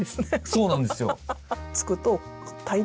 そうなんですよ。